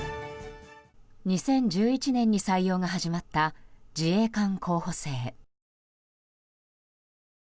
２０１１年に採用が始まった自衛官候補生。